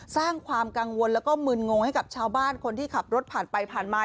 สร้างความกังวลแล้วก็มึนงงให้กับชาวบ้านคนที่ขับรถผ่านไปผ่านมา